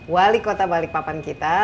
wali kota balikpapan kita